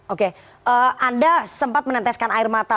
oke anda sempat meneteskan air mata